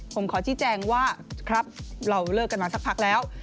ผมขอชี้แจงว่าครับเราเลิกกันมาสักพักแล้ว